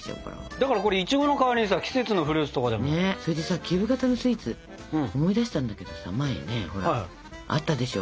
だからこれイチゴの代わりにさ季節のフルーツとかでも。それでさキューブ型のスイーツ思い出したんだけどさ。前にねほらあったでしょ？